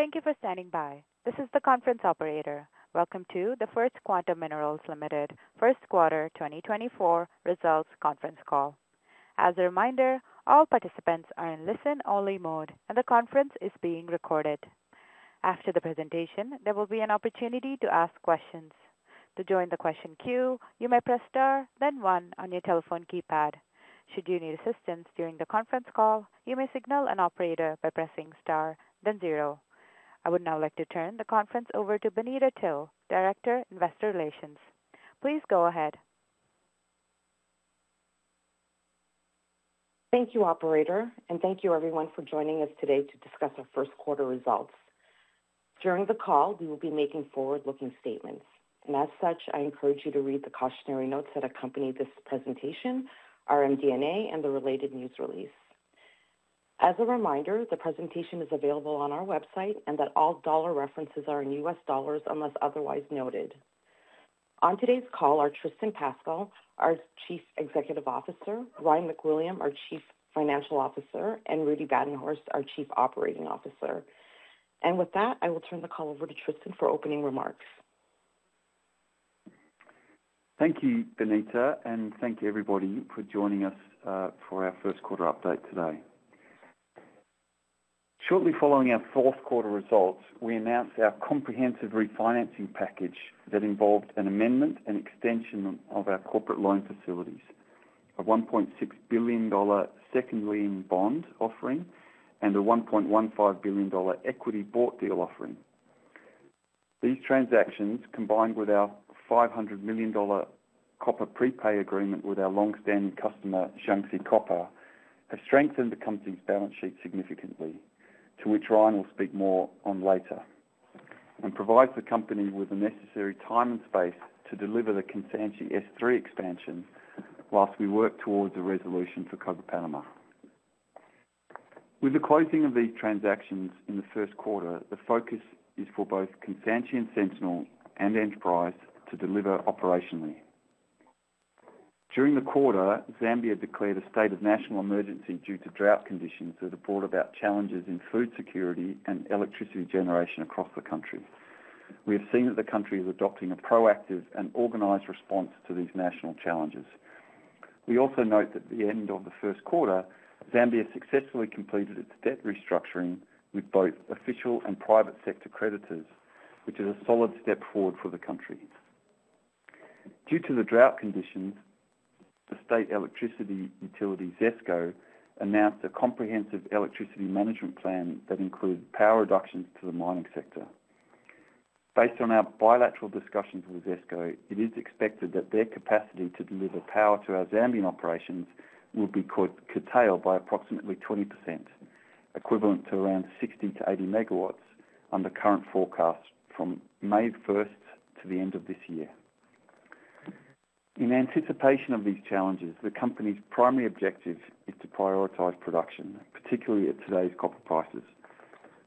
Thank you for standing by. This is the conference operator. Welcome to the First Quantum Minerals Limited, first quarter 2024 results conference call. As a reminder, all participants are in listen-only mode, and the conference is being recorded. After the presentation, there will be an opportunity to ask questions. To join the question queue, you may press star, then one, on your telephone keypad. Should you need assistance during the conference call, you may signal an operator by pressing star, then zero. I would now like to turn the conference over to Bonita To, Director, Investor Relations. Please go ahead. Thank you, operator, and thank you, everyone, for joining us today to discuss our first quarter results. During the call, we will be making forward-looking statements. And as such, I encourage you to read the cautionary notes that accompany this presentation, our MD&A, and the related news release. As a reminder, the presentation is available on our website and that all dollar references are in US dollars unless otherwise noted. On today's call are Tristan Pascall, our Chief Executive Officer; Ryan MacWilliam, our Chief Financial Officer; and Rudi Badenhorst, our Chief Operating Officer. And with that, I will turn the call over to Tristan for opening remarks. Thank you, Bonita, and thank you, everybody, for joining us for our first quarter update today. Shortly following our fourth quarter results, we announced our comprehensive refinancing package that involved an amendment and extension of our corporate loan facilities, a $1.6 billion second lien bond offering, and a $1.15 billion equity bought deal offering. These transactions, combined with our $500 million copper prepay agreement with our longstanding customer, Jiangxi Copper, have strengthened the company's balance sheet significantly, to which Ryan will speak more on later, and provide the company with the necessary time and space to deliver the Kansanshi S3 expansion while we work towards a resolution for Cobre Panamá. With the closing of these transactions in the first quarter, the focus is for both Kansanshi and Sentinel and Enterprise to deliver operationally. During the quarter, Zambia declared a state of national emergency due to drought conditions that have brought about challenges in food security and electricity generation across the country. We have seen that the country is adopting a proactive and organized response to these national challenges. We also note that at the end of the first quarter, Zambia successfully completed its debt restructuring with both official and private sector creditors, which is a solid step forward for the country. Due to the drought conditions, the state electricity utility, ZESCO, announced a comprehensive electricity management plan that includes power reductions to the mining sector. Based on our bilateral discussions with ZESCO, it is expected that their capacity to deliver power to our Zambian operations will be curtailed by approximately 20%, equivalent to around 60-80 MW under current forecasts from May 1st to the end of this year. In anticipation of these challenges, the company's primary objective is to prioritize production, particularly at today's copper prices.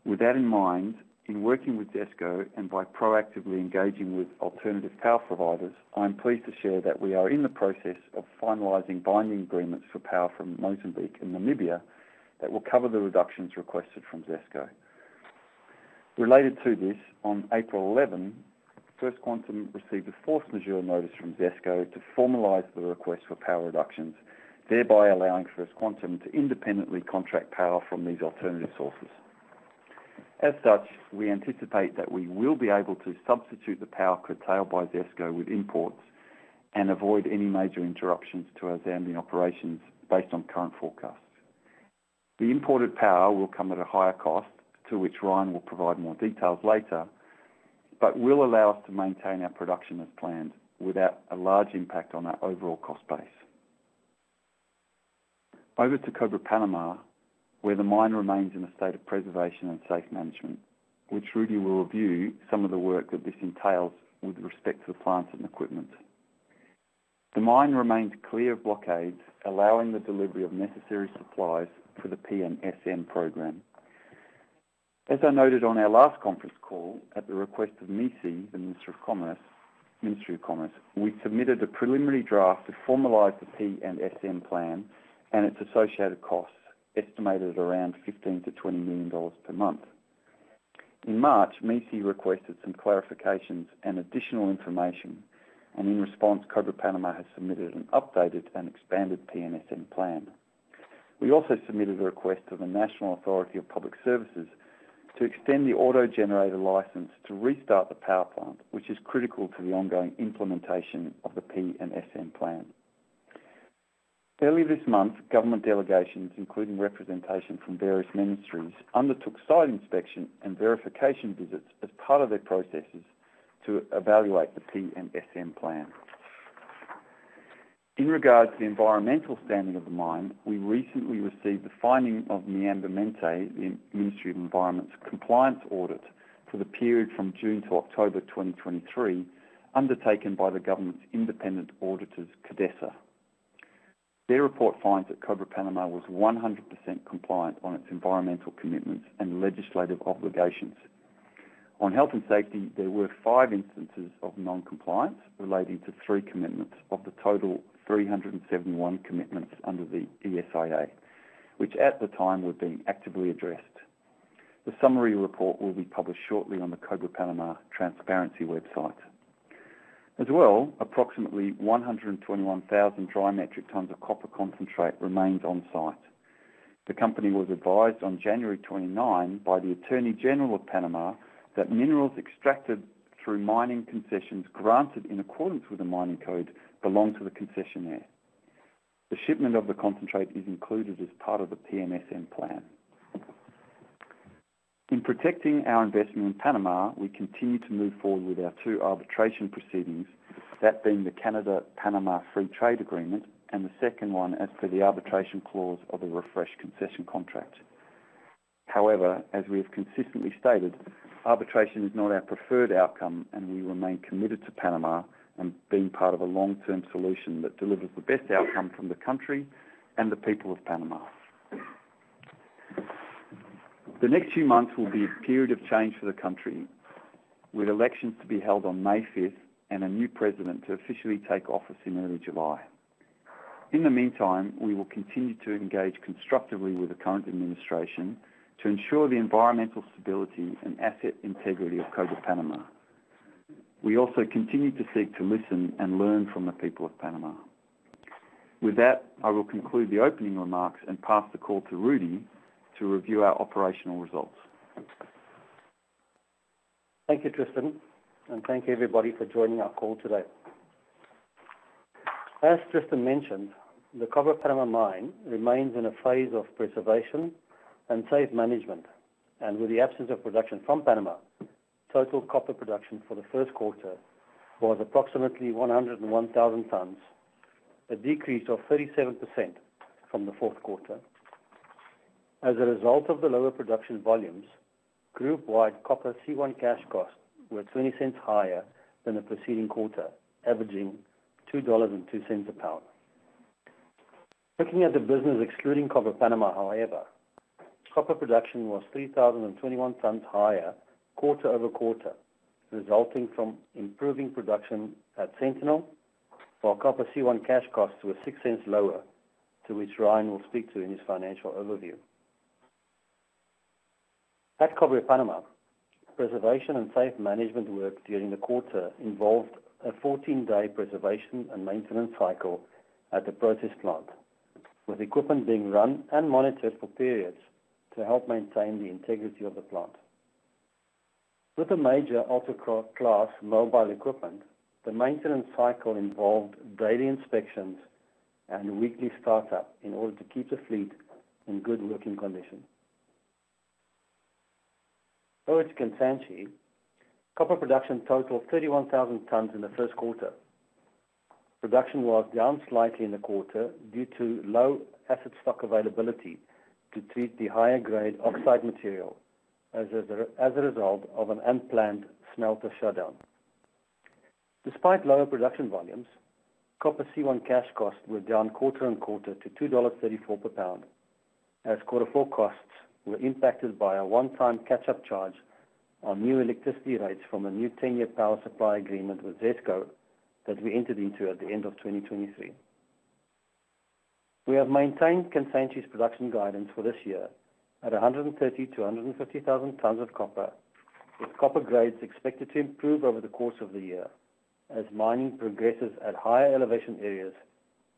With that in mind, in working with ZESCO and by proactively engaging with alternative power providers, I am pleased to share that we are in the process of finalizing binding agreements for power from Mozambique and Namibia that will cover the reductions requested from ZESCO. Related to this, on April 11th, First Quantum received a force majeure notice from ZESCO to formalise the request for power reductions, thereby allowing First Quantum to independently contract power from these alternative sources. As such, we anticipate that we will be able to substitute the power curtailed by ZESCO with imports and avoid any major interruptions to our Zambian operations based on current forecasts. The imported power will come at a higher cost, to which Ryan will provide more details later, but will allow us to maintain our production as planned without a large impact on our overall cost base. Over to Cobre Panamá, where the mine remains in a state of preservation and safe management, which Rudi will review some of the work that this entails with respect to the plants and equipment. The mine remains clear of blockades, allowing the delivery of necessary supplies for the PNSM program. As I noted on our last conference call, at the request of MICI, the Minister of Commerce, we submitted a preliminary draft to formalize the PNSM plan and its associated costs, estimated at around $15 million-$20 million per month. In March, MICI requested some clarifications and additional information, and in response, Cobre Panamá has submitted an updated and expanded PNSM plan. We also submitted a request to the National Authority of Public Services to extend the auto-generator license to restart the power plant, which is critical to the ongoing implementation of the PNSM plan. Earlier this month, government delegations, including representation from various ministries, undertook site inspection and verification visits as part of their processes to evaluate the PNSM plan. In regards to the environmental standing of the mine, we recently received the findings of the Ministerio de Ambiente, the Ministry of Environment's compliance audit for the period from June to October 2023, undertaken by the government's independent auditors, CODESA. Their report finds that Cobre Panamá was 100% compliant on its environmental commitments and legislative obligations. On health and safety, there were five instances of non-compliance relating to three commitments of the total 371 commitments under the ESIA, which at the time were being actively addressed. The summary report will be published shortly on the Cobre Panamá Transparency website. As well, approximately 121,000 dry metric tons of copper concentrate remains on site. The company was advised on January 29th by the Attorney General of Panama that minerals extracted through mining concessions granted in accordance with the mining code belong to the concessionaire. The shipment of the concentrate is included as part of the PNSM plan. In protecting our investment in Panama, we continue to move forward with our two arbitration proceedings, that being the Canada-Panama Free Trade Agreement and the second one as per the arbitration clause of the refresh concession contract. However, as we have consistently stated, arbitration is not our preferred outcome, and we remain committed to Panama and being part of a long-term solution that delivers the best outcome from the country and the people of Panama. The next few months will be a period of change for the country, with elections to be held on May 5th and a new president to officially take office in early July. In the meantime, we will continue to engage constructively with the current administration to ensure the environmental stability and asset integrity of Cobre Panamá. We also continue to seek to listen and learn from the people of Panama. With that, I will conclude the opening remarks and pass the call to Rudi to review our operational results. Thank you, Tristan, and thank you, everybody, for joining our call today. As Tristan mentioned, the Cobre Panamá mine remains in a phase of preservation and safe management, and with the absence of production from Panama, total copper production for the first quarter was approximately 101,000 tonnes, a decrease of 37% from the fourth quarter. As a result of the lower production volumes, group-wide copper C1 cash costs were $0.20 higher than the preceding quarter, averaging $2.02 a pound. Looking at the business excluding Cobre Panamá, however, copper production was 3,021 tonnes higher quarter-over-quarter, resulting from improving production at Sentinel, while copper C1 cash costs were $0.06 lower, to which Ryan will speak to in his financial overview. At Cobre Panamá, preservation and safe management work during the quarter involved a 14-day preservation and maintenance cycle at the process plant, with equipment being run and monitored for periods to help maintain the integrity of the plant. With the major ultra-class mobile equipment, the maintenance cycle involved daily inspections and weekly startup in order to keep the fleet in good working condition. Towards Kansanshi, copper production totaled 31,000 tonnes in the first quarter. Production was down slightly in the quarter due to low asset stock availability to treat the higher-grade oxide material as a result of an unplanned smelter shutdown. Despite lower production volumes, copper C1 cash costs were down quarter-on-quarter to $2.34 per pound, as quarter four costs were impacted by a one-time catch-up charge on new electricity rates from a new 10-year power supply agreement with ZESCO that we entered into at the end of 2023. We have maintained Kansanshi's production guidance for this year at 130,000-150,000 tonnes of copper, with copper grades expected to improve over the course of the year as mining progresses at higher elevation areas,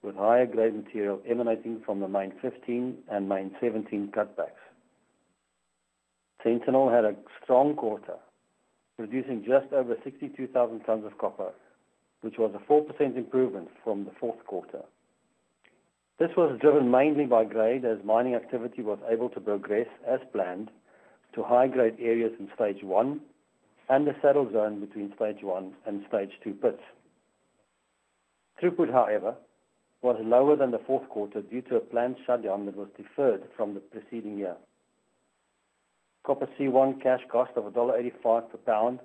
with higher-grade material emanating from the Mine 15 and Mine 17 cutbacks. Sentinel had a strong quarter, producing just over 62,000 tonnes of copper, which was a 4% improvement from the fourth quarter. This was driven mainly by grade as mining activity was able to progress as planned to high-grade areas in Stage One and the saddle zone between Stage One and Stage Two pits. Throughput, however, was lower than the fourth quarter due to a planned shutdown that was deferred from the preceding year. Copper C1 cash cost of $1.85 per pound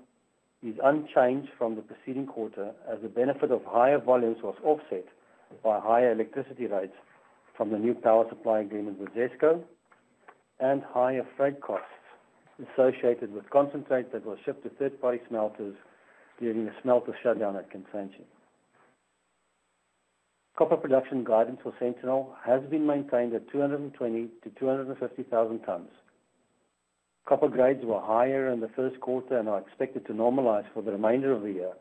is unchanged from the preceding quarter as the benefit of higher volumes was offset by higher electricity rates from the new power supply agreement with ZESCO and higher freight costs associated with concentrate that was shipped to third-party smelters during the smelter shutdown at Kansanshi. Copper production guidance for Sentinel has been maintained at 220,000-250,000 tonnes. Copper grades were higher in the first quarter and are expected to normalize for the remainder of the year,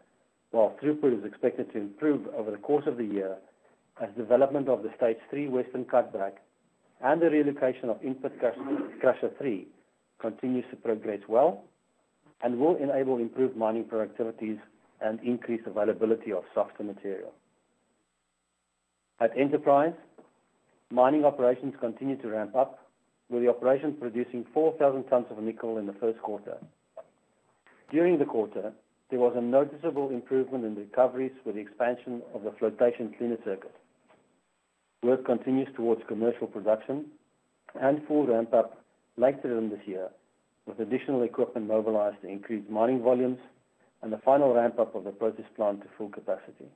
while throughput is expected to improve over the course of the year as development of the Stage Three Western cutback and the relocation of In-pit Crusher Three continues to progress well and will enable improved mining productivities and increased availability of softer material. At Enterprise, mining operations continue to ramp up, with the operation producing 4,000 tonnes of nickel in the first quarter. During the quarter, there was a noticeable improvement in recoveries with the expansion of the flotation cleaner circuit. Work continues towards commercial production and full ramp-up later in this year, with additional equipment mobilised to increase mining volumes and the final ramp-up of the process plant to full capacity.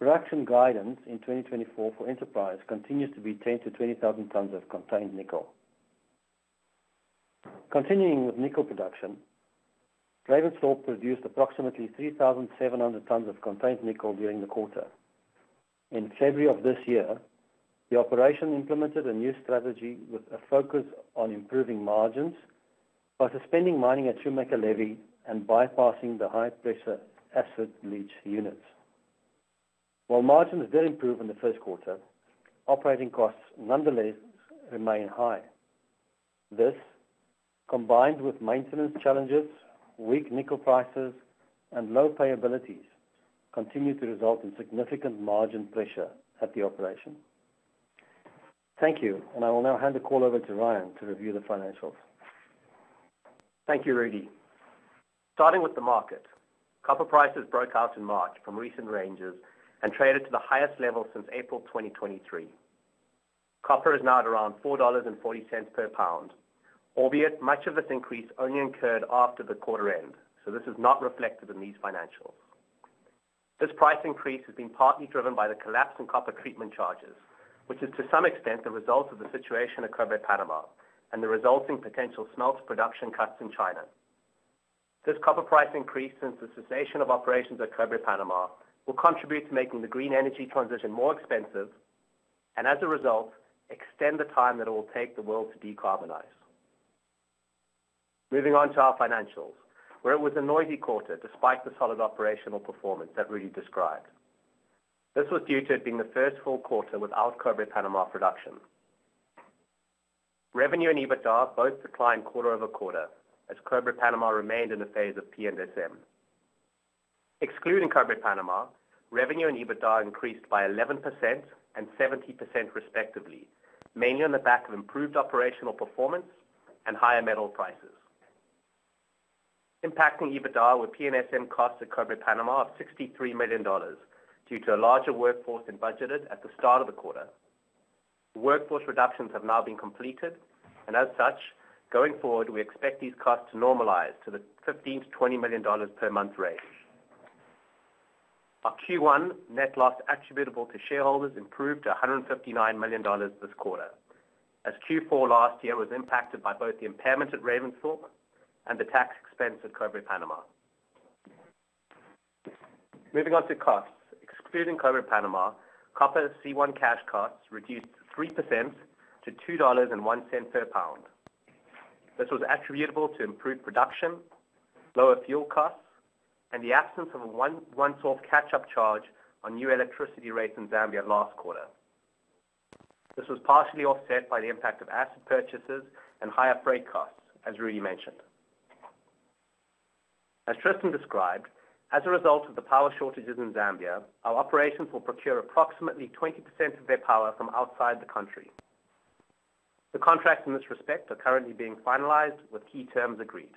Production guidance in 2024 for Enterprise continues to be 10,000-20,000 tonnes of contained nickel. Continuing with nickel production, Ravensthorpe produced approximately 3,700 tonnes of contained nickel during the quarter. In February of this year, the operation implemented a new strategy with a focus on improving margins by suspending mining at Shoemaker-Levy and bypassing the high-pressure acid leach units. While margins did improve in the first quarter, operating costs nonetheless remain high. This, combined with maintenance challenges, weak nickel prices, and low payabilities, continued to result in significant margin pressure at the operation. Thank you, and I will now hand the call over to Ryan to review the financials. Thank you, Rudi. Starting with the market, copper prices broke out in March from recent ranges and traded to the highest level since April 2023. Copper is now at around $4.40 per pound, albeit much of this increase only occurred after the quarter end, so this is not reflected in these financials. This price increase has been partly driven by the collapse in copper treatment charges, which is to some extent the result of the situation at Cobre Panamá and the resulting potential smelter production cuts in China. This copper price increase since the cessation of operations at Cobre Panamá will contribute to making the green energy transition more expensive and, as a result, extend the time that it will take the world to decarbonize. Moving on to our financials, where it was a noisy quarter despite the solid operational performance that Rudi described. This was due to it being the first full quarter without Cobre Panamá production. Revenue and EBITDA both declined quarter-over-quarter as Cobre Panamá remained in a phase of PNSM. Excluding Cobre Panamá, revenue and EBITDA increased by 11% and 70% respectively, mainly on the back of improved operational performance and higher metal prices. Impacting EBITDA were PNSM costs at Cobre Panamá of $63 million due to a larger workforce than budgeted at the start of the quarter. Workforce reductions have now been completed, and as such, going forward, we expect these costs to normalize to the $15 million-$20 million per month range. Our Q1 net loss attributable to shareholders improved to $159 million this quarter, as Q4 last year was impacted by both the impairment at Ravensthorpe and the tax expense at Cobre Panamá. Moving on to costs, excluding Cobre Panamá, copper C1 cash costs reduced 3% to $2.01 per pound. This was attributable to improved production, lower fuel costs, and the absence of a one-off catch-up charge on new electricity rates in Zambia last quarter. This was partially offset by the impact of acid purchases and higher freight costs, as Rudi mentioned. As Tristan described, as a result of the power shortages in Zambia, our operations will procure approximately 20% of their power from outside the country. The contracts in this respect are currently being finalized with key terms agreed.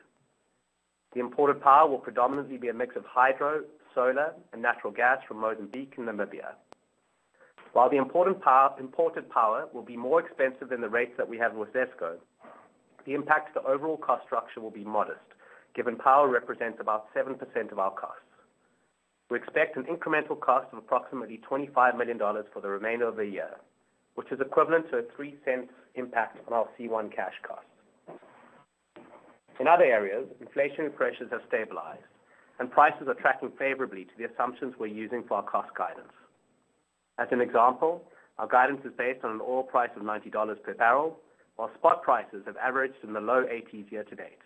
The imported power will predominantly be a mix of hydro, solar, and natural gas from Mozambique and Namibia. While the imported power will be more expensive than the rates that we have with ZESCO, the impact to the overall cost structure will be modest, given power represents about 7% of our costs. We expect an incremental cost of approximately $25 million for the remainder of the year, which is equivalent to a $0.03 impact on our C1 cash costs. In other areas, inflationary pressures have stabilized, and prices are tracking favorably to the assumptions we're using for our cost guidance. As an example, our guidance is based on an oil price of $90 per barrel, while spot prices have averaged in the low 80s year to date.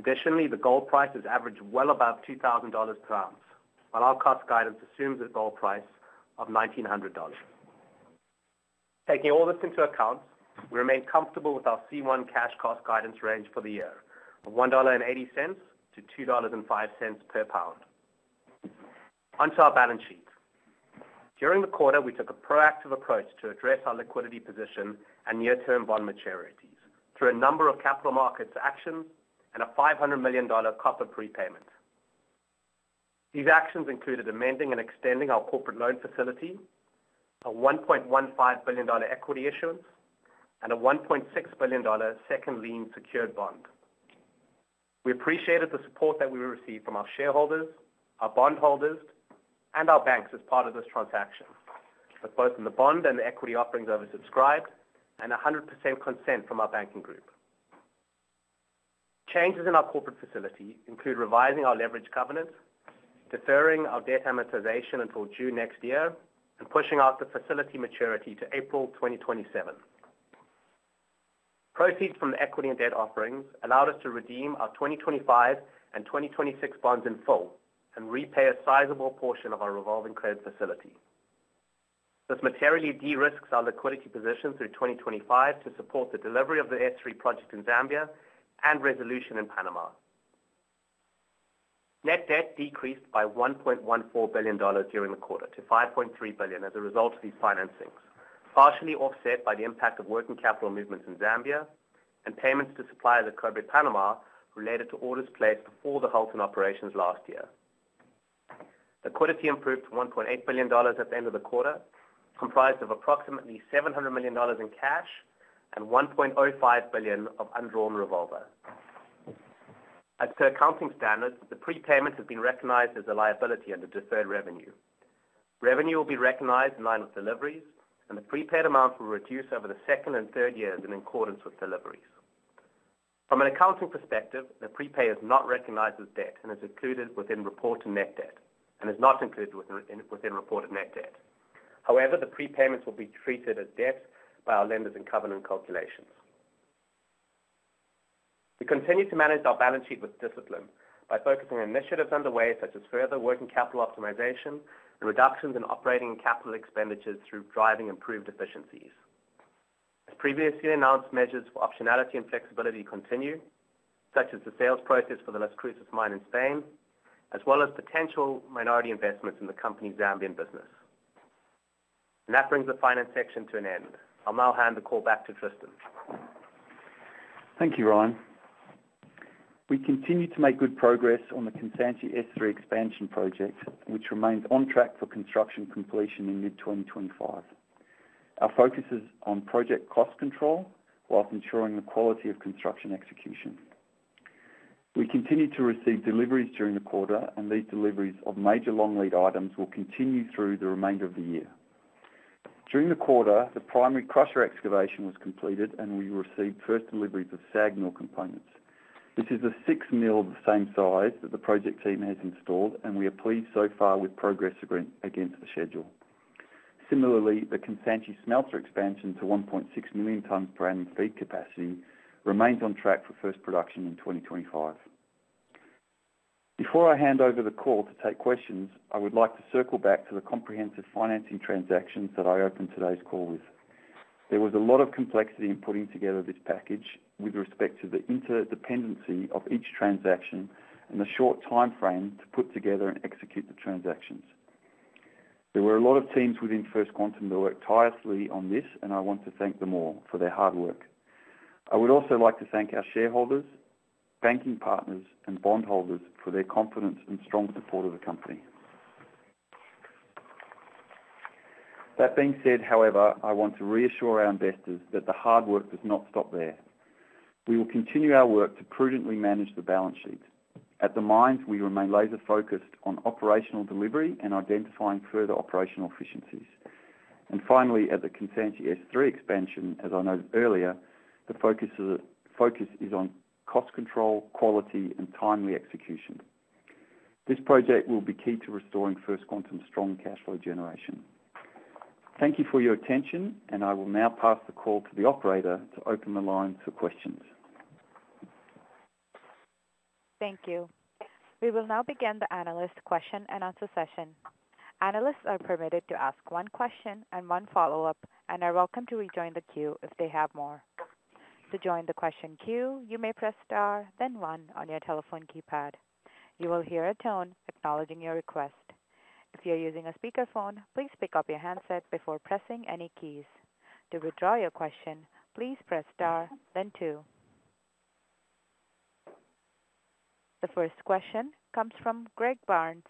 Additionally, the gold price has averaged well above $2,000 per ounce, while our cost guidance assumes a gold price of $1,900. Taking all this into account, we remain comfortable with our C1 cash cost guidance range for the year, of $1.80-$2.05 per pound. Onto our balance sheet. During the quarter, we took a proactive approach to address our liquidity position and near-term bond maturities through a number of capital markets actions and a $500 million copper prepayment. These actions included amending and extending our corporate loan facility, a $1.15 billion equity issuance, and a $1.6 billion second lien secured bond. We appreciated the support that we received from our shareholders, our bondholders, and our banks as part of this transaction, with both in the bond and the equity offerings oversubscribed and 100% consent from our banking group. Changes in our corporate facility include revising our leverage covenants, deferring our debt amortization until June next year, and pushing out the facility maturity to April 2027. Proceeds from the equity and debt offerings allowed us to redeem our 2025 and 2026 bonds in full and repay a sizable portion of our revolving credit facility. This materially de-risks our liquidity position through 2025 to support the delivery of the S3 project in Zambia and resolution in Panama. Net debt decreased by $1.14 billion during the quarter to $5.3 billion as a result of these financings, partially offset by the impact of working capital movements in Zambia and payments to suppliers at Cobre Panamá related to orders placed before the halting operations last year. Liquidity improved to $1.8 billion at the end of the quarter, comprised of approximately $700 million in cash and $1.05 billion of undrawn revolver. As per accounting standards, the prepayment has been recognized as a liability under deferred revenue. Revenue will be recognized in line with deliveries, and the prepaid amount will reduce over the second and third years in accordance with deliveries. From an accounting perspective, the prepay is not recognized as debt and is included within reported net debt and is not included within reported net debt. However, the prepayments will be treated as debts by our lenders in covenant calculations. We continue to manage our balance sheet with discipline by focusing on initiatives underway such as further working capital optimization and reductions in operating capital expenditures through driving improved efficiencies. As previously announced, measures for optionality and flexibility continue, such as the sales process for the Las Cruces mine in Spain, as well as potential minority investments in the company's Zambian business. That brings the finance section to an end. I'll now hand the call back to Tristan. Thank you, Ryan. We continue to make good progress on the Kansanshi S3 expansion project, which remains on track for construction completion in mid-2025. Our focus is on project cost control while ensuring the quality of construction execution. We continue to receive deliveries during the quarter, and these deliveries of major long lead items will continue through the remainder of the year. During the quarter, the primary crusher excavation was completed, and we received first deliveries of SAG mill components. This is the sixth mill of the same size that the project team has installed, and we are pleased so far with progress against the schedule. Similarly, the Kansanshi smelter expansion to 1.6 million tons per annum feed capacity remains on track for first production in 2025. Before I hand over the call to take questions, I would like to circle back to the comprehensive financing transactions that I opened today's call with. There was a lot of complexity in putting together this package with respect to the interdependency of each transaction and the short timeframe to put together and execute the transactions. There were a lot of teams within First Quantum that worked tirelessly on this, and I want to thank them all for their hard work. I would also like to thank our shareholders, banking partners, and bondholders for their confidence and strong support of the company. That being said, however, I want to reassure our investors that the hard work does not stop there. We will continue our work to prudently manage the balance sheet. At the mines, we remain laser-focused on operational delivery and identifying further operational efficiencies. And finally, at the Kansanshi S3 expansion, as I noted earlier, the focus is on cost control, quality, and timely execution. This project will be key to restoring First Quantum's strong cash flow generation. Thank you for your attention, and I will now pass the call to the operator to open the lines for questions. Thank you. We will now begin the analyst question and answer session. Analysts are permitted to ask one question and one follow-up and are welcome to rejoin the queue if they have more. To join the question queue, you may press star, then one on your telephone keypad. You will hear a tone acknowledging your request. If you're using a speakerphone, please pick up your handset before pressing any keys. To withdraw your question, please press star, then two. The first question comes from Greg Barnes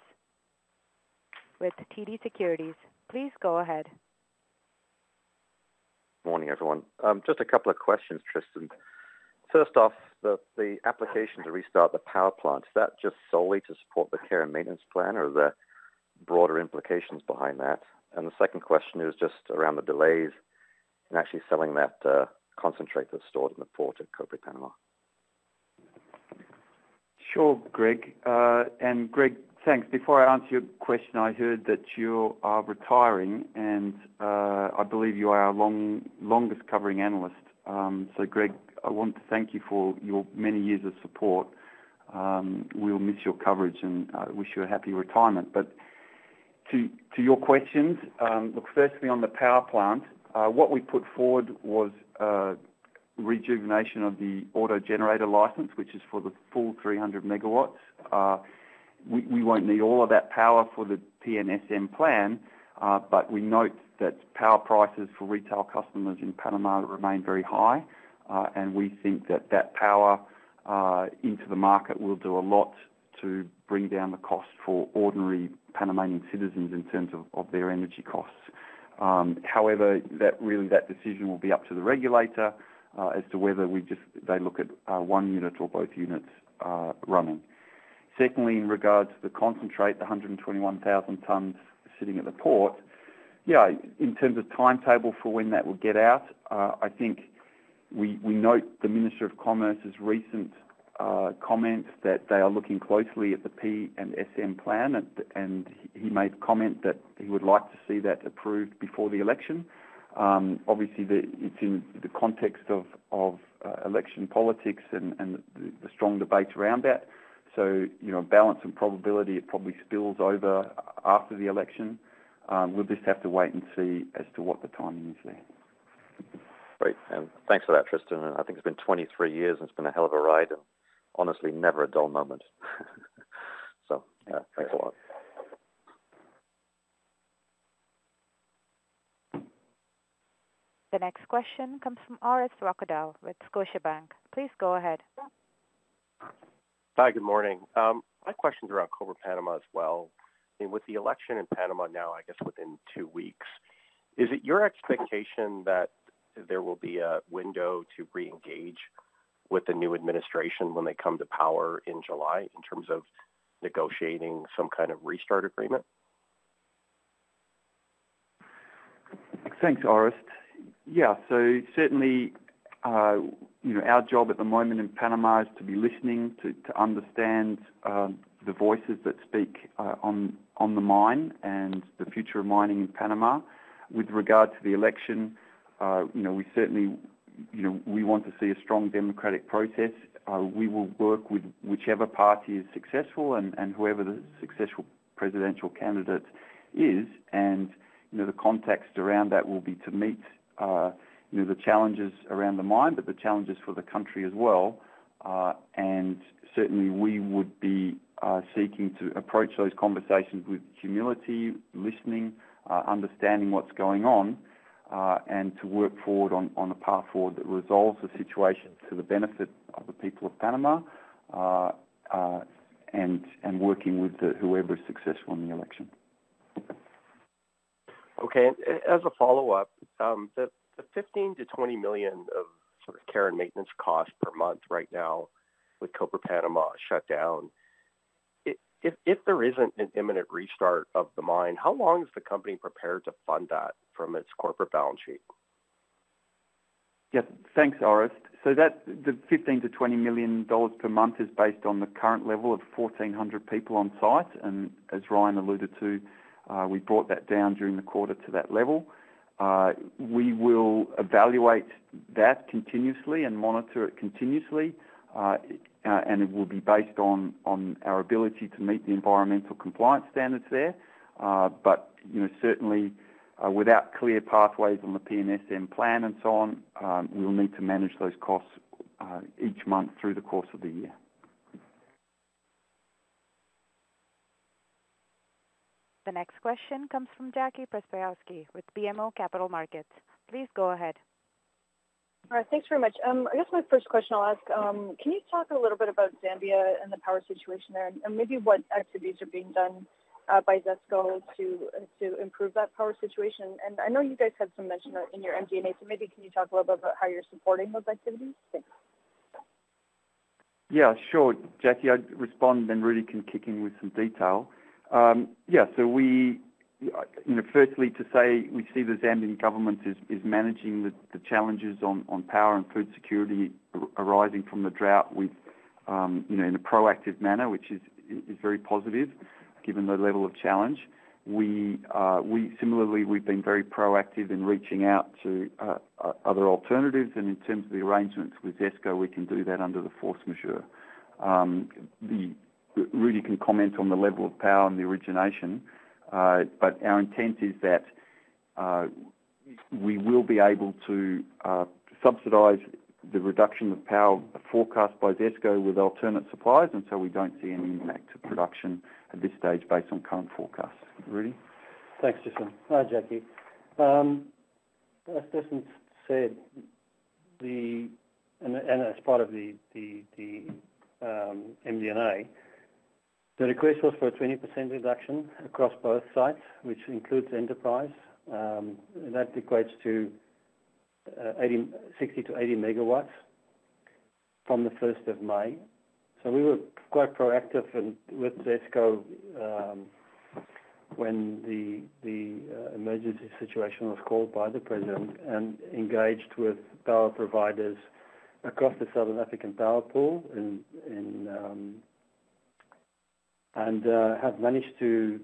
with TD Securities. Please go ahead. Morning, everyone. Just a couple of questions, Tristan. First off, the application to restart the power plant, is that just solely to support the care and maintenance plan, or are there broader implications behind that? And the second question is just around the delays in actually selling that concentrate that's stored in the port at Cobre Panamá. Sure, Greg. And Greg, thanks. Before I answer your question, I heard that you are retiring, and I believe you are our longest-covering analyst. So Greg, I want to thank you for your many years of support. We'll miss your coverage and wish you a happy retirement. But to your questions, look, firstly, on the power plant, what we put forward was rejuvenation of the auto-generator license, which is for the full 300 MW. We won't need all of that power for the PNSM plan, but we note that power prices for retail customers in Panama remain very high, and we think that that power into the market will do a lot to bring down the cost for ordinary Panamanian citizens in terms of their energy costs. However, really, that decision will be up to the regulator as to whether they look at one unit or both units running. Secondly, in regards to the concentrate, the 121,000 tons sitting at the port, yeah, in terms of timetable for when that will get out, I think we note the Minister of Commerce's recent comment that they are looking closely at the PNSM plan, and he made comment that he would like to see that approved before the election. Obviously, it's in the context of election politics and the strong debate around that, so balance and probability, it probably spills over after the election. We'll just have to wait and see as to what the timing is there. Great. Thanks for that, Tristan. I think it's been 23 years, and it's been a hell of a ride and, honestly, never a dull moment. So thanks a lot. The next question comes from Orest Wowkodaw with Scotiabank. Please go ahead. Hi. Good morning. My question's around Cobre Panamá as well. I mean, with the election in Panama now, I guess, within two weeks, is it your expectation that there will be a window to re-engage with the new administration when they come to power in July in terms of negotiating some kind of restart agreement? Thanks, Orest. Yeah. So certainly, our job at the moment in Panama is to be listening, to understand the voices that speak on the mine and the future of mining in Panama. With regard to the election, we certainly want to see a strong democratic process. We will work with whichever party is successful and whoever the successful presidential candidate is, and the context around that will be to meet the challenges around the mine, but the challenges for the country as well. And certainly, we would be seeking to approach those conversations with humility, listening, understanding what's going on, and to work forward on a path forward that resolves the situation to the benefit of the people of Panama and working with whoever is successful in the election. Okay. As a follow-up, the $15 million-$20 million of sort of care and maintenance costs per month right now with Cobre Panamá shut down, if there isn't an imminent restart of the mine, how long is the company prepared to fund that from its corporate balance sheet? Yeah. Thanks, Orest. So the $15 million-$20 million per month is based on the current level of 1,400 people on site, and as Ryan alluded to, we brought that down during the quarter to that level. We will evaluate that continuously and monitor it continuously, and it will be based on our ability to meet the environmental compliance standards there. But certainly, without clear pathways on the PNSM plan and so on, we'll need to manage those costs each month through the course of the year. The next question comes from Jackie Przybylowski with BMO Capital Markets. Please go ahead. All right. Thanks very much. I guess my first question I'll ask, can you talk a little bit about Zambia and the power situation there and maybe what activities are being done by ZESCO to improve that power situation? And I know you guys had some mention in your MD&A, so maybe can you talk a little bit about how you're supporting those activities? Thanks. Yeah. Sure, Jackie. I'd respond and then really come kicking with some detail. Yeah. So firstly, to say we see the Zambian government is managing the challenges on power and food security arising from the drought in a proactive manner, which is very positive given the level of challenge. Similarly, we've been very proactive in reaching out to other alternatives, and in terms of the arrangements with ZESCO, we can do that under the force majeure. Rudi can comment on the level of power and the origination, but our intent is that we will be able to subsidize the reduction of power forecast by ZESCO with alternate supplies, and so we don't see any impact to production at this stage based on current forecasts. Rudi? Thanks, Tristan. Hi, Jackie. As Tristan said, and as part of the MD&A, the request was for a 20% reduction across both sites, which includes Enterprise. That equates to 60-80 megawatts from the 1st of May. So we were quite proactive with ZESCO when the emergency situation was called by the president and engaged with power providers across the Southern African Power Pool and have managed to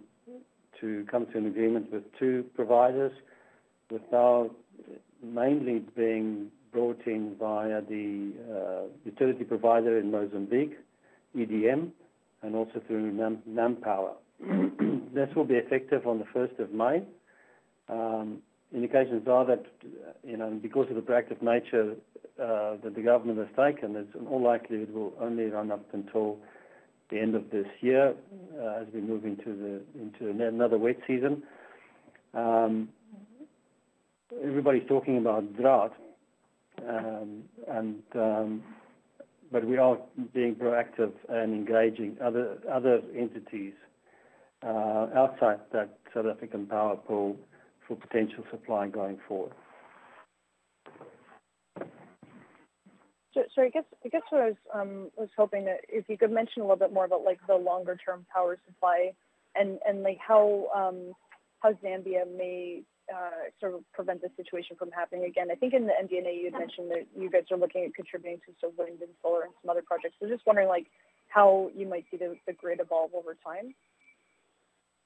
come to an agreement with two providers, with power mainly being brought in via the utility provider in Mozambique, EDM, and also through NamPower. This will be effective on the 1st of May. Indications are that because of the proactive nature that the government has taken, it's in all likelihood will only run up until the end of this year as we move into another wet season. Everybody's talking about drought, but we are being proactive and engaging other entities outside that Southern African Power Pool for potential supply going forward. So I guess what I was hoping that if you could mention a little bit more about the longer-term power supply and how Zambia may sort of prevent this situation from happening? Again, I think in the MD&A, you had mentioned that you guys are looking at contributing to sort of wind and solar and some other projects. So just wondering how you might see the grid evolve over time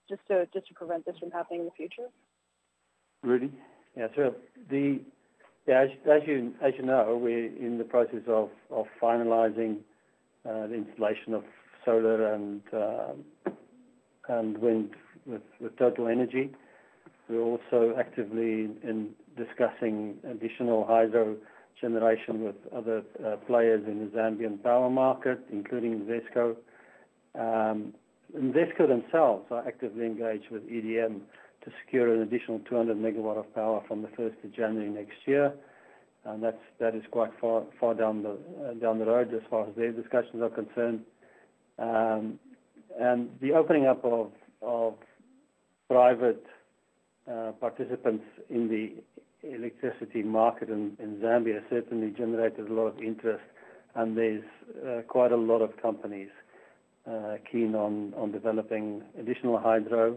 just to prevent this from happening in the future? Rudi? Yeah. Sure. As you know, we're in the process of finalising the installation of solar and wind with TotalEnergies. We're also actively discussing additional hydro generation with other players in the Zambian power market, including ZESCO. And ZESCO themselves are actively engaged with EDM to secure an additional 200 MW of power from the 1st of January next year. That is quite far down the road as far as their discussions are concerned. And the opening up of private participants in the electricity market in Zambia certainly generated a lot of interest, and there's quite a lot of companies keen on developing additional hydro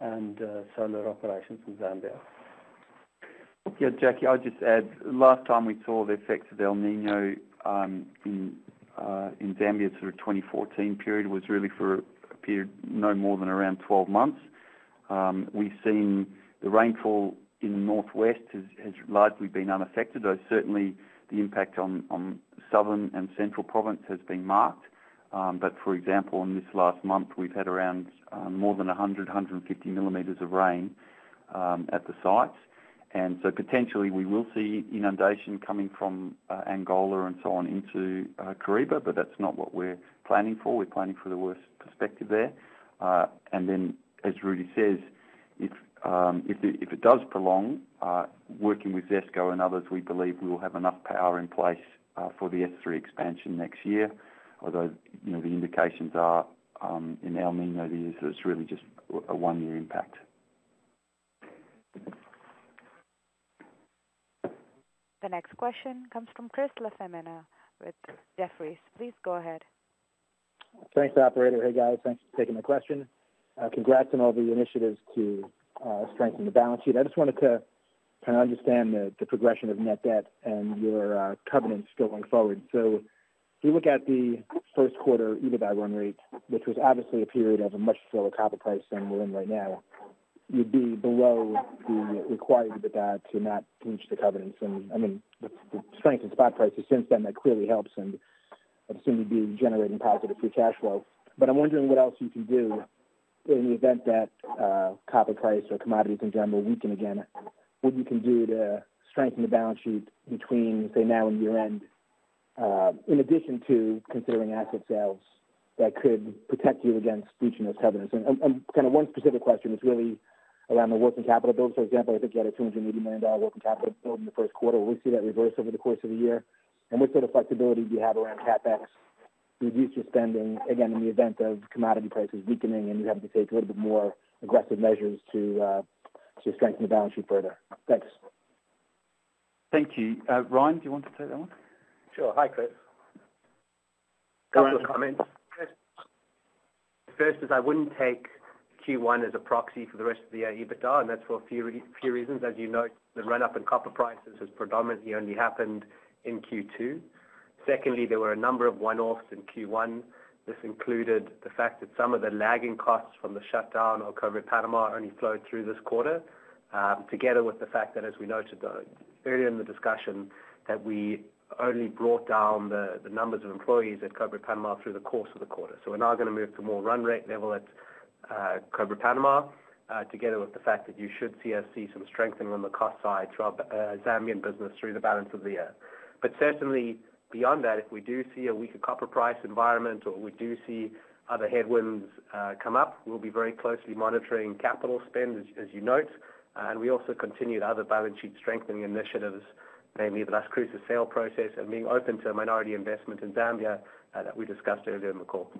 and solar operations in Zambia. Yeah. Jackie, I'll just add. Last time we saw the effects of El Niño in Zambia sort of 2014 period was really for a period no more than around 12 months. We've seen the rainfall in the northwest has largely been unaffected, though certainly, the impact on southern and central province has been marked. But for example, in this last month, we've had around more than 100-150 millimeters of rain at the sites. And so potentially, we will see inundation coming from Angola and so on into Kariba, but that's not what we're planning for. We're planning for the worst perspective there. And then, as Rudi says, if it does prolong, working with ZESCO and others, we believe we'll have enough power in place for the S3 Expansion next year, although the indications are in El Niño that it's really just a one-year impact. The next question comes from Chris LaFemina with Jefferies. Please go ahead. Thanks, operator. Hey, guys. Thanks for taking the question. Congrats on all the initiatives to strengthen the balance sheet. I just wanted to kind of understand the progression of net debt and your covenants going forward. So if you look at the first quarter EBITDA run rate, which was obviously a period of a much slower copper price than we're in right now, you'd be below the requirement of EBITDA to not reach the covenants. And I mean, the strengthened spot prices since then that clearly helps, and I'd assume you'd be generating positive free cash flow. But I'm wondering what else you can do in the event that copper price or commodities in general weaken again. What you can do to strengthen the balance sheet between, say, now and year-end in addition to considering asset sales that could protect you against reaching those covenants. Kind of one specific question is really around the working capital build. For example, I think you had a $280 million working capital build in the first quarter. Will we see that reverse over the course of the year? What sort of flexibility do you have around CapEx to reduce your spending, again, in the event of commodity prices weakening and you having to take a little bit more aggressive measures to strengthen the balance sheet further? Thanks. Thank you. Ryan, do you want to take that one? Sure. Hi, Chris. Go ahead with your comments. First, I wouldn't take Q1 as a proxy for the rest of the year EBITDA, and that's for a few reasons. As you note, the run-up in copper prices has predominantly only happened in Q2. Secondly, there were a number of one-offs in Q1. This included the fact that some of the lagging costs from the shutdown of Cobre Panamá only flowed through this quarter together with the fact that, as we noted earlier in the discussion, that we only brought down the numbers of employees at Cobre Panamá through the course of the quarter. So we're now going to move to more run-rate level at Cobre Panamá together with the fact that you should see us see some strengthening on the cost side throughout Zambian business through the balance of the year. But certainly, beyond that, if we do see a weaker copper price environment or we do see other headwinds come up, we'll be very closely monitoring capital spend, as you note, and we also continue the other balance sheet strengthening initiatives, namely the Las Cruces sale process and being open to minority investment in Zambia that we discussed earlier in the call.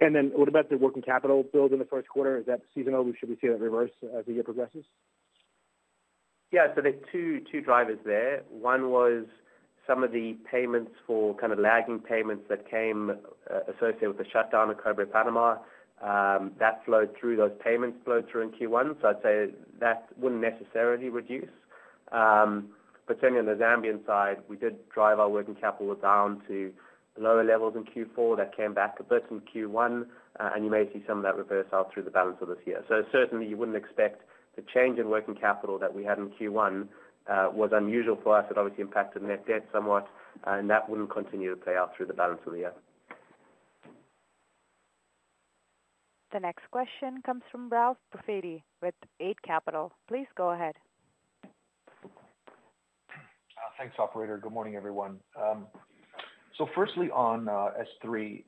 And then what about the working capital build in the first quarter? Is that seasonal? Should we see that reverse as the year progresses? Yeah. So there's two drivers there. One was some of the payments for kind of lagging payments that came associated with the shutdown of Cobre Panamá. That flowed through. Those payments flowed through in Q1. So I'd say that wouldn't necessarily reduce. But certainly, on the Zambian side, we did drive our working capital down to lower levels in Q4. That came back a bit in Q1, and you may see some of that reverse out through the balance of this year. So certainly, you wouldn't expect the change in working capital that we had in Q1 was unusual for us. It obviously impacted net debt somewhat, and that wouldn't continue to play out through the balance of the year. The next question comes from Ralph Profiti with Eight Capital. Please go ahead. Thanks, operator. Good morning, everyone. So firstly, on S3,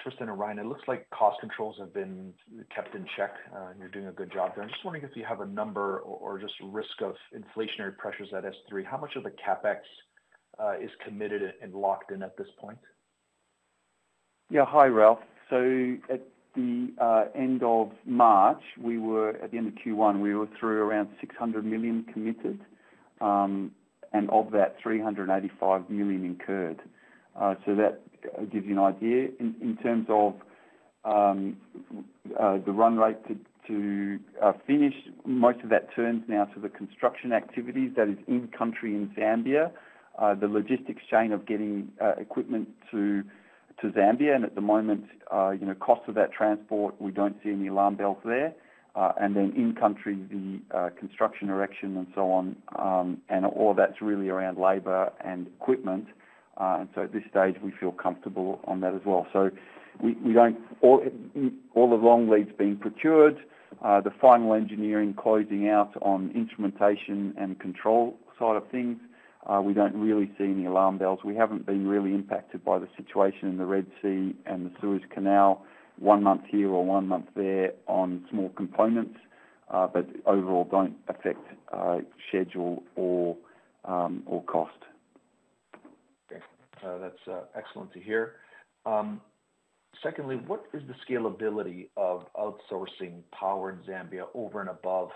Tristan and Ryan, it looks like cost controls have been kept in check, and you're doing a good job there. I'm just wondering if you have a number or just risk of inflationary pressures at S3. How much of the CapEx is committed and locked in at this point? Yeah. Hi, Ralph. So at the end of March, at the end of Q1, we were through around $600 million committed, and of that, $385 million incurred. So that gives you an idea. In terms of the run rate to finish, most of that turns now to the construction activities. That is in-country in Zambia, the logistics chain of getting equipment to Zambia. And at the moment, cost of that transport, we don't see any alarm bells there. And then in-country, the construction erection and so on, and all that's really around labor and equipment. And so at this stage, we feel comfortable on that as well. So all along, leads being procured, the final engineering closing out on instrumentation and control side of things, we don't really see any alarm bells. We haven't been really impacted by the situation in the Red Sea and the Suez Canal, one month here or one month there on small components, but overall, don't affect schedule or cost. That's excellent to hear. Secondly, what is the scalability of outsourcing power in Zambia over and above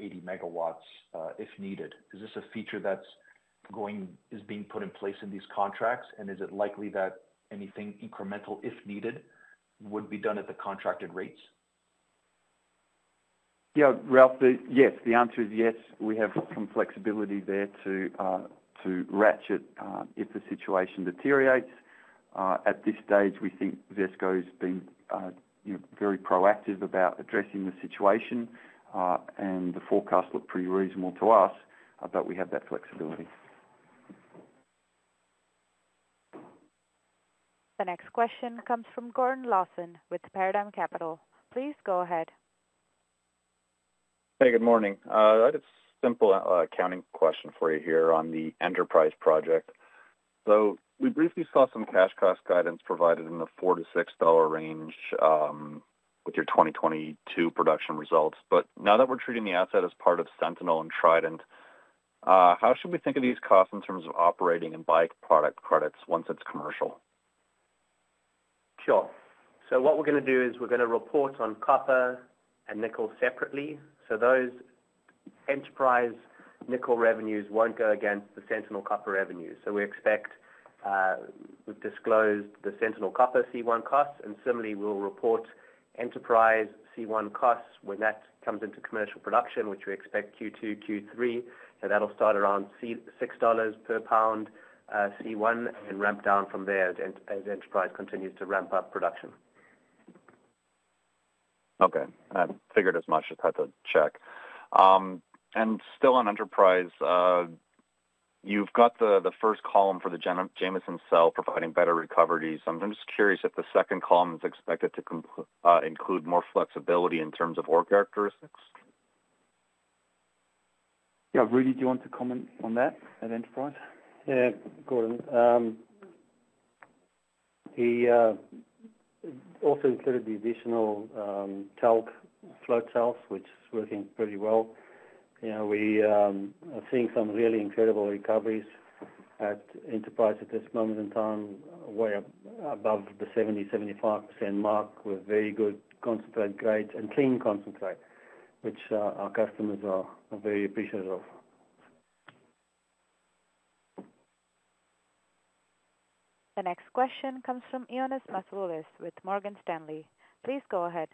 80 MW if needed? Is this a feature that is being put in place in these contracts, and is it likely that anything incremental if needed would be done at the contracted rates? Yeah, Ralph. Yes. The answer is yes. We have some flexibility there to ratchet if the situation deteriorates. At this stage, we think ZESCO's been very proactive about addressing the situation, and the forecasts look pretty reasonable to us, but we have that flexibility. The next question comes from Gordon Lawson with Paradigm Capital. Please go ahead. Hey. Good morning. I had a simple accounting question for you here on the Enterprise project. So we briefly saw some cash cost guidance provided in the $4-$6 range with your 2022 production results. But now that we're treating the asset as part of Sentinel and Trident, how should we think of these costs in terms of operating and buying product credits once it's commercial? Sure. So what we're going to do is we're going to report on copper and nickel separately. So those Enterprise nickel revenues won't go against the Sentinel copper revenues. So we expect we've disclosed the Sentinel copper C1 costs, and similarly, we'll report Enterprise C1 costs when that comes into commercial production, which we expect Q2, Q3. So that'll start around $6 per pound C1 and ramp down from there as Enterprise continues to ramp up production. Okay. I figured as much. Just had to check. And still on Enterprise, you've got the first column for the Jameson cell providing better recovery. So I'm just curious if the second column is expected to include more flexibility in terms of ore characteristics? Yeah. Rudi, do you want to comment on that at Enterprise? Yeah, Gordon. It also included the additional float cells, which is working pretty well. We are seeing some really incredible recoveries at Enterprise at this moment in time, way above the 70%-75% mark with very good concentrate grades and clean concentrate, which our customers are very appreciative of. The next question comes from Ioannis Masvoulas with Morgan Stanley. Please go ahead.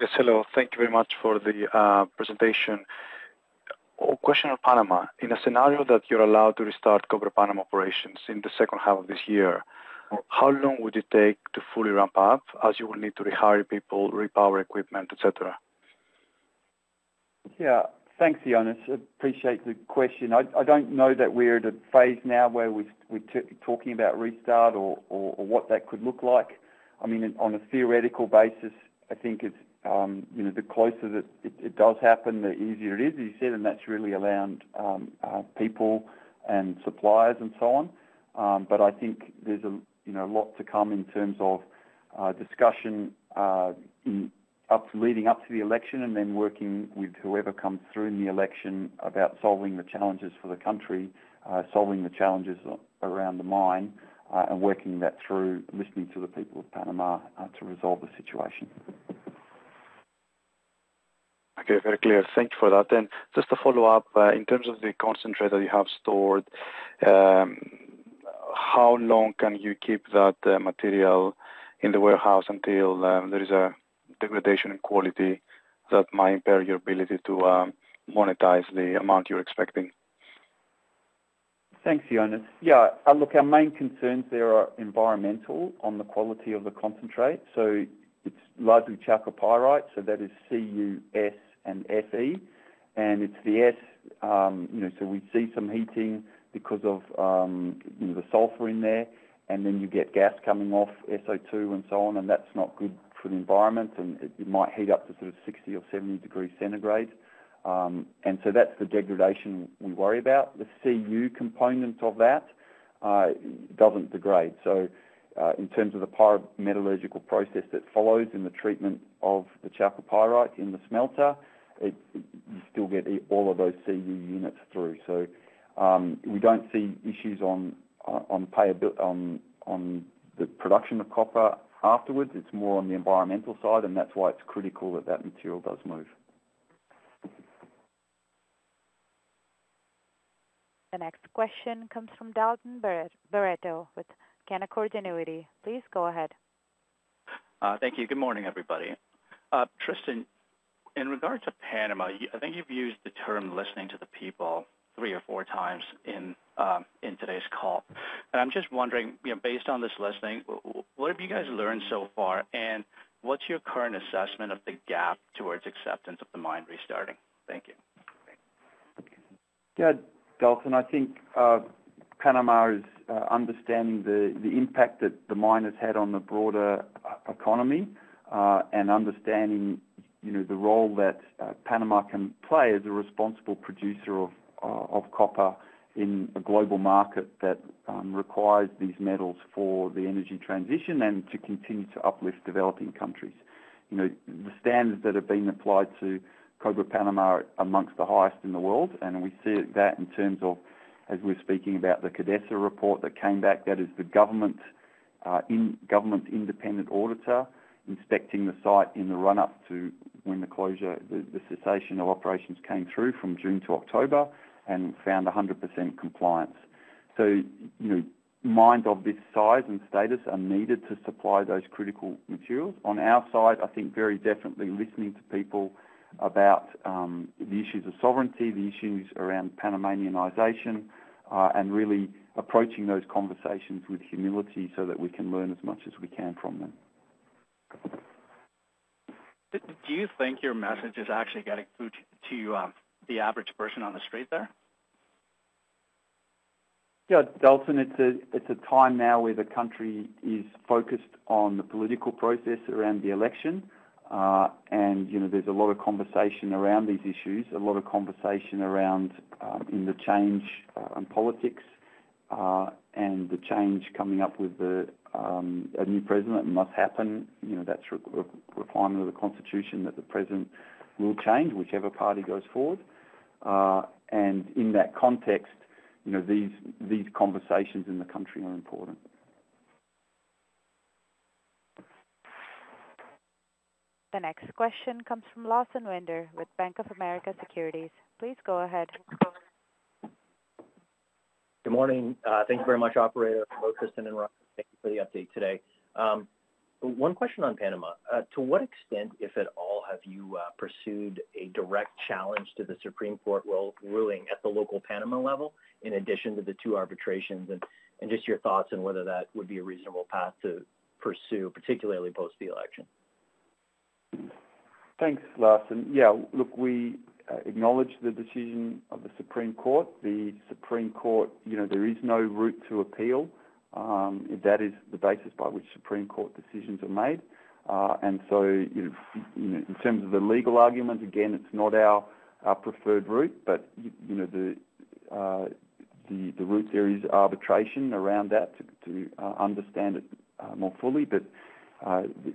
Yes. Hello. Thank you very much for the presentation. Question on Panamá. In a scenario that you're allowed to restart Cobre Panamá operations in the second half of this year, how long would it take to fully ramp up as you will need to rehire people, repower equipment, etc.? Yeah. Thanks, Ioannis. Appreciate the question. I don't know that we're at a phase now where we're talking about restart or what that could look like. I mean, on a theoretical basis, I think the closer that it does happen, the easier it is, as you said, and that's really around people and suppliers and so on. But I think there's a lot to come in terms of discussion leading up to the election and then working with whoever comes through in the election about solving the challenges for the country, solving the challenges around the mine, and working that through, listening to the people of Panama to resolve the situation. Okay. Very clear. Thanks for that then. Just to follow up, in terms of the concentrate that you have stored, how long can you keep that material in the warehouse until there is a degradation in quality that might impair your ability to monetize the amount you're expecting? Thanks, Ioannis. Yeah. Look, our main concerns there are environmental on the quality of the concentrate. So it's largely chalcopyrite. So that is CuS and Fe. And it's the S so we see some heating because of the sulfur in there, and then you get gas coming off, SO2, and so on, and that's not good for the environment, and it might heat up to sort of 60 or 70 degrees Celsius. And so that's the degradation we worry about. The Cu component of that doesn't degrade. So in terms of the pyrometallurgical process that follows in the treatment of the chalcopyrite in the smelter, you still get all of those Cu units through. So we don't see issues on the production of copper afterwards. It's more on the environmental side, and that's why it's critical that that material does move. The next question comes from Dalton Baretto with Canaccord Genuity. Please go ahead. Thank you. Good morning, everybody. Tristan, in regard to Panama, I think you've used the term listening to the people three or four times in today's call. I'm just wondering, based on this listening, what have you guys learned so far, and what's your current assessment of the gap towards acceptance of the mine restarting? Thank you. Yeah. Dalton, I think Panama is understanding the impact that the mine has had on the broader economy and understanding the role that Panama can play as a responsible producer of copper in a global market that requires these metals for the energy transition and to continue to uplift developing countries. The standards that have been applied to Cobre Panamá are among the highest in the world, and we see that in terms of as we were speaking about the CODESA report that came back, that is the government-independent auditor inspecting the site in the run-up to when the closure, the cessation of operations came through from June to October and found 100% compliance. So mines of this size and status are needed to supply those critical materials. On our side, I think very definitely listening to people about the issues of sovereignty, the issues around Panamanianization, and really approaching those conversations with humility so that we can learn as much as we can from them. Do you think your message is actually getting through to the average person on the street there? Yeah. Dalton, it's a time now where the country is focused on the political process around the election, and there's a lot of conversation around these issues, a lot of conversation around the change in politics and the change coming up with a new president must happen. That's a requirement of the constitution that the president will change, whichever party goes forward. In that context, these conversations in the country are important. The next question comes from Lawson Winder with Bank of America Securities. Please go ahead. Good morning. Thank you very much, operator, for both Tristan and Ryan. Thank you for the update today. One question on Panama. To what extent, if at all, have you pursued a direct challenge to the Supreme Court ruling at the local Panama level in addition to the two arbitrations and just your thoughts on whether that would be a reasonable path to pursue, particularly post the election? Thanks, Lawson. Yeah. Look, we acknowledge the decision of the Supreme Court. There is no route to appeal. That is the basis by which Supreme Court decisions are made. And so in terms of the legal argument, again, it's not our preferred route, but the route there is arbitration around that to understand it more fully. But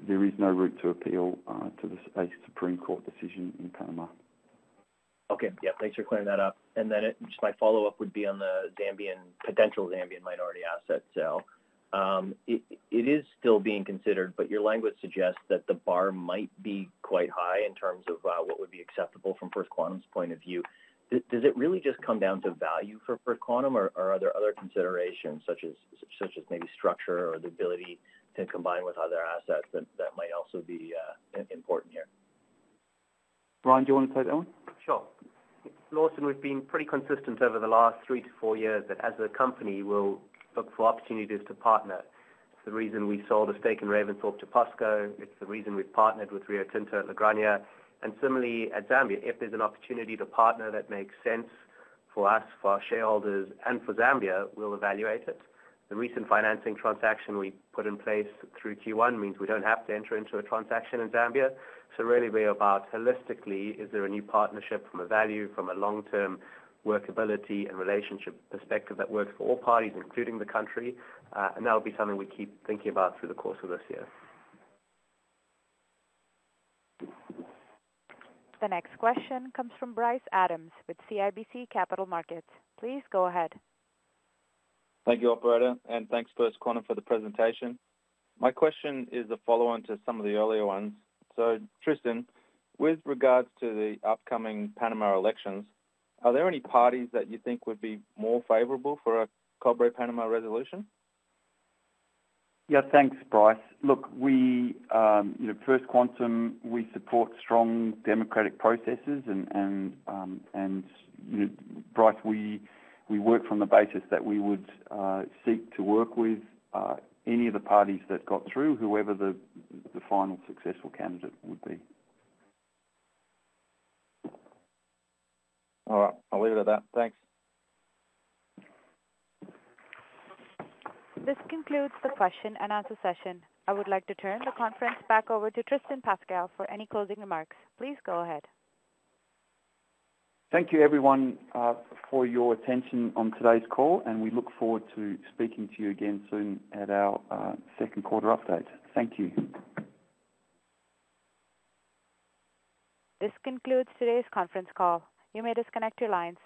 there is no route to appeal to a Supreme Court decision in Panama. Okay. Yeah. Thanks for clearing that up. Then just my follow-up would be on the potential Zambian mine or related asset sale. It is still being considered, but your language suggests that the bar might be quite high in terms of what would be acceptable from First Quantum's point of view. Does it really just come down to value for First Quantum, or are there other considerations such as maybe structure or the ability to combine with other assets that might also be important here? Rud, do you want to take that one? Sure. Lawson, we've been pretty consistent over the last three to four years that as a company, we'll look for opportunities to partner. It's the reason we sold a stake in Ravensthorpe to POSCO. It's the reason we've partnered with Rio Tinto at La Granja. And similarly, at Zambia, if there's an opportunity to partner that makes sense for us, for our shareholders, and for Zambia, we'll evaluate it. The recent financing transaction we put in place through Q1 means we don't have to enter into a transaction in Zambia. So really, we're about holistically, is there a new partnership from a value, from a long-term workability and relationship perspective that works for all parties, including the country? And that'll be something we keep thinking about through the course of this year. The next question comes from Bryce Adams with CIBC Capital Markets. Please go ahead. Thank you, operator, and thanks, First Quantum, for the presentation. My question is the following to some of the earlier ones. So Tristan, with regards to the upcoming Panama elections, are there any parties that you think would be more favorable for a Cobre Panamá resolution? Yeah. Thanks, Bryce. Look, First Quantum, we support strong democratic processes. Bryce, we work from the basis that we would seek to work with any of the parties that got through, whoever the final successful candidate would be. All right. I'll leave it at that. Thanks. This concludes the question-and-answer session. I would like to turn the conference back over to Tristan Pascall for any closing remarks. Please go ahead. Thank you, everyone, for your attention on today's call, and we look forward to speaking to you again soon at our second quarter update. Thank you. This concludes today's conference call. You may disconnect your lines.